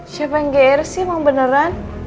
siapa yang ger sih emang beneran